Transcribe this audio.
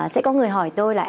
sẽ có người hỏi tôi là